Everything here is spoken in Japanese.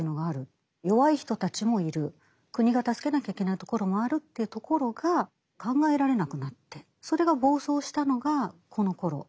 だけど国が助けなきゃいけないところもあるというところが考えられなくなってそれが暴走したのがこのころ。